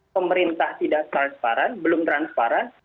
pemerintah tidak transparan belum transparan